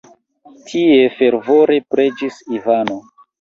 Tie fervore preĝis Ivano.